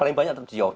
paling banyak di jawa